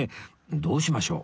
どうしましょう？